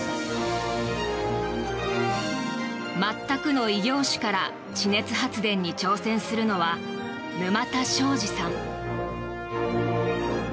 全くの異業種から地熱発電に挑戦するのは沼田昭二さん。